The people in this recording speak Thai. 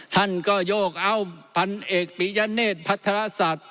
ท่านก็โยกเอาพันธุ์เอกปิญญาเนธพัฒนาศาสตร์